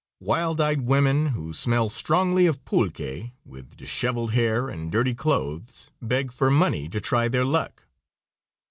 Wild eyed women, who smell strongly of pulque, with disheveled hair and dirty clothes, beg for money to try their luck.